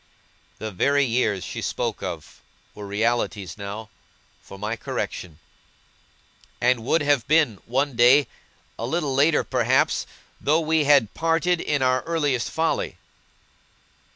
The very years she spoke of, were realities now, for my correction; and would have been, one day, a little later perhaps, though we had parted in our earliest folly.